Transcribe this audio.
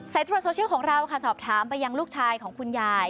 ตรวจโซเชียลของเราค่ะสอบถามไปยังลูกชายของคุณยาย